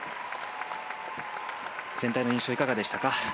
全体の印象はいかがでしたか？